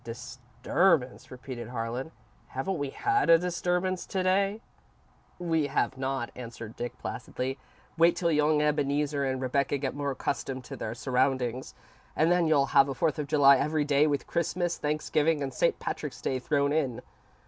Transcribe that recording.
"Disturbance," repeated Harlan. "Haven't we had a disturbance to day?" "We have not," answered Dick, placidly. "Wait till young Ebeneezer and Rebecca get more accustomed to their surroundings, and then you'll have a Fourth of July every day, with Christmas, Thanksgiving, and St. Patrick's Day thrown in.